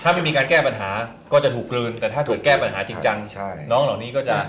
ถ้าไม่มีการแก้ปัญหาก็จะถูกกลืนแต่ถ้าเกิดแก้ปัญหาจริงจังน้องเหล่านี้ก็จะ